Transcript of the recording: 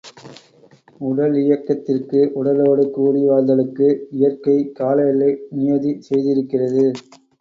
உடலியக்கத்திற்கு உடலோடு கூடி வாழ்தலுக்கு இயற்கை, கால எல்லை நியதி செய்திருக்கிறது.